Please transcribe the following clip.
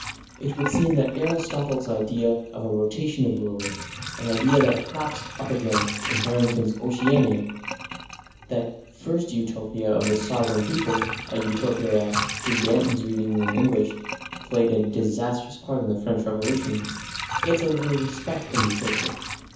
It would seem that Aristotle's idea of a rotation of rulers, an idea that crops up again in Harrington's Oceana, that first Utopia of "the sovereign people" (a Utopia that, through Danton's readings in English, played a disastrous part in the French Revolution), gets a little respect in Utopia.